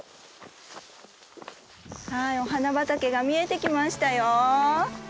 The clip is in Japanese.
はいお花畑が見えてきましたよ。